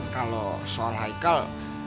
kalau soal haikal